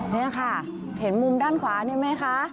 นี่ค่ะเห็นมุมด้านขวานี่ไหมคะ